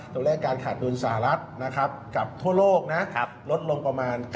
ตัวเลขการขาดดุลสหรัฐกับทั่วโลกลดลงประมาณ๙๖